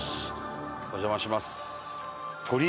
お邪魔します。